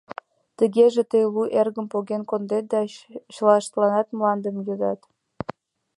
— Тыгеже тый лу эргым поген кондет да чылаштланат мландым йодат.